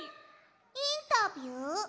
インタビュー？